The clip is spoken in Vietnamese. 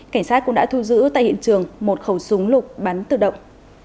cảnh sát cũng đã thu giữ tại hiện trường một khẩu súng lục bắn tự động